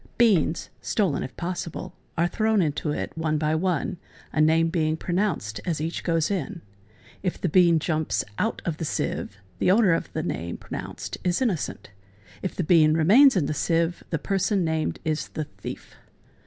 Beans (stolen if possible) are thrown into it one by one, a name being pronounced as each goesin. If the bean jumps out of the sieve, the owner of the name pronounced is innocent; if the bean remains in the sieve, the person named is the thief.